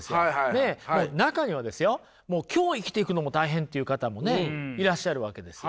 ねえもう中にはですよもう今日生きていくのも大変っていう方もねいらっしゃるわけです。